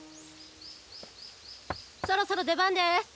そろそろ出番です。